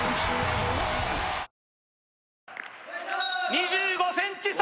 ２５ｃｍ差